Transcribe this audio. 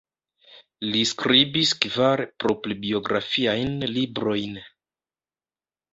Li skribis kvar proprbiografiajn librojn.